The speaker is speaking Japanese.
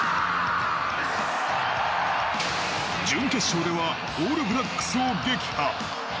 準決勝ではオールブラックスを撃破。